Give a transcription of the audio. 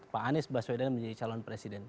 pak anies baswedan menjadi calon presiden